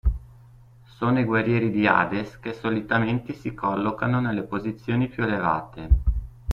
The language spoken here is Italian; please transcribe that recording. Sono i guerrieri di Hades che solitamente si collocano nelle posizioni più elevate.